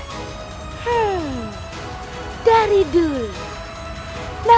hmm dari dulu